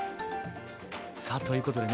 さあということでね